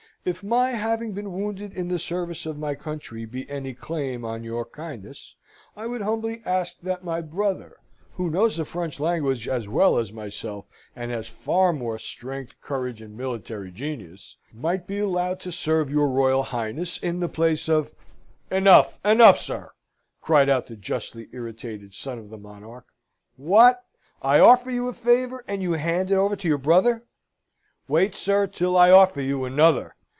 If my having been wounded in the service of my country be any claim on your kindness, I would humbly ask that my brother, who knows the French language as well as myself, and has far more strength, courage, and military genius, might be allowed to serve your Royal Highness; in the place of " "Enough, enough, sir!" cried out the justly irritated son of the monarch. "What? I offer you a favour, and you hand it over to your brother? Wait, sir, till I offer you another!"